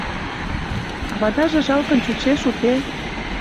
Авадаже жалкын чучеш, уке?